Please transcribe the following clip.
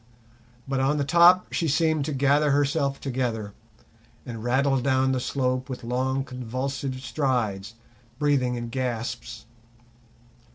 But on the top she seemed to gather herself together, and rattled down the slope with long, convulsive strides, breathing in gasps.